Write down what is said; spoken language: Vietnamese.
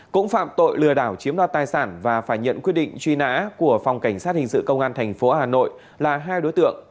cũng phạm tội lừa đảo chiếm đoạt tài sản và phải nhận quyết định truy nã của phòng cảnh sát hình sự công an tp hà nội là hai đối tượng